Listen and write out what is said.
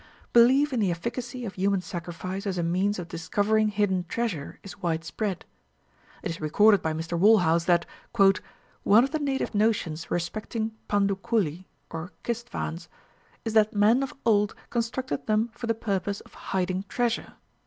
Belief in the efficacy of human sacrifice as a means of discovering hidden treasure is widespread. It is recorded by Mr Walhouse that "one of the native notions respecting pandu kuli, or kistvaens, is that men of old constructed them for the purpose of hiding treasure.